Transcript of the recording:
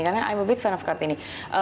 karena i'm a big fan of kartini